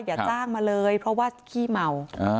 อย่าจ้างมาเลยเพราะว่าขี้เมา